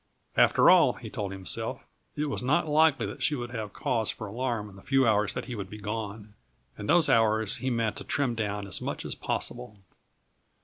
After all, he told himself, it was not likely that she would have cause for alarm in the few hours that he would be gone, and those hours he meant to trim down as much as possible.